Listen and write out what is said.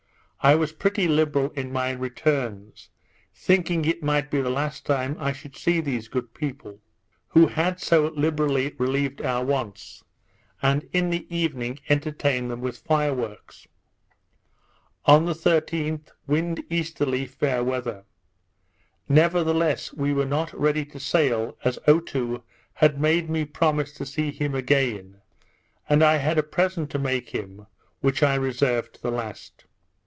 I was pretty liberal in my returns, thinking it might be the last time I should see these good people, who had so liberally relieved our wants; and in the evening entertained them with fire works. On the 13th, wind easterly, fair weather. Nevertheless we were not ready to sail, as Otoo had made me promise to see him again; and I had a present to make him, which I reserved to the last.